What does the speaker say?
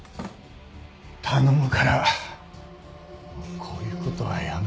頼むからこういう事はやめてくれ。